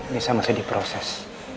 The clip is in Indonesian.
nisa masih di proses